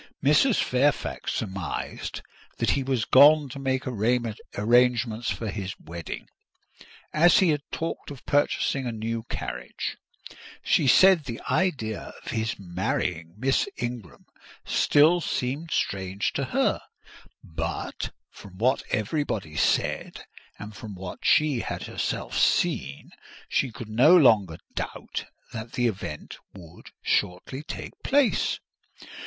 Mrs. Fairfax surmised that he was gone to make arrangements for his wedding, as he had talked of purchasing a new carriage: she said the idea of his marrying Miss Ingram still seemed strange to her; but from what everybody said, and from what she had herself seen, she could no longer doubt that the event would shortly take place.